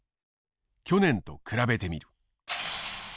去年と比べてみる。